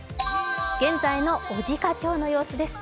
現在の小値賀町の様子です。